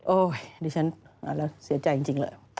โอ๊ยดิฉันเอาละเสียใจจริงเลย